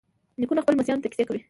نیکونه خپلو لمسیانو ته کیسې کوي.